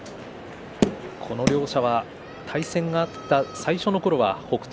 この両者は対戦があった最初のころは北勝